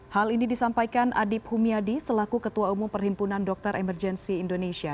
hal ini disampaikan adip humyadi selaku ketua umum perhimpunan dokter emergenci indonesia